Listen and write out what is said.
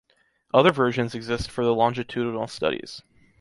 Other versions exist for the longitudinal studies.